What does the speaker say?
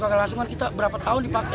dan secara langsung kita berapa tahun dipakai